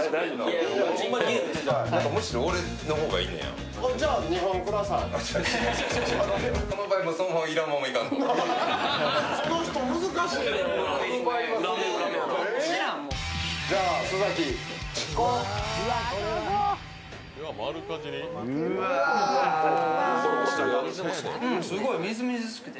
うん、すごいみずみずしくて